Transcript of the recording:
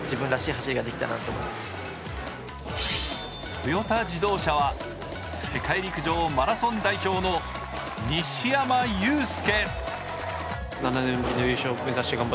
トヨタ自動車は、世界陸上マラソン代表の西山雄介。